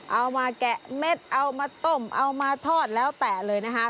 เอามาแกะเม็ดเอามาต้มเอามาทอดแล้วแต่เลยนะคะ